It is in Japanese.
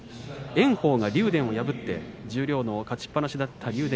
炎鵬が竜電を破って十両勝ちっぱなしだった竜